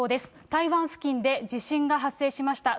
台湾付近で地震が発生しました。